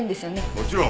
もちろん！